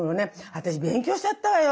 私勉強しちゃったわよ